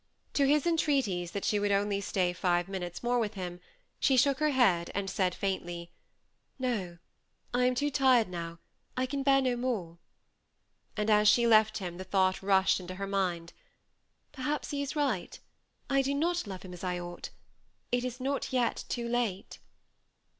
To his entreaties that she would stay only five minutes more with him, she shook her head, and said faintly, '^ No, I am too tired now, I can bear no more ;" and as she lefl him the thought rushed into her mind, '^ Per haps he is right I do not love him as I ought ; it is not yet too late."